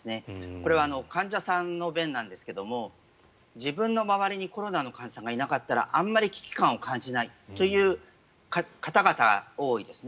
これは患者さんの弁なんですが自分の周りにコロナの患者さんがいなかったらあまり危機感を感じないという方々が多いですね。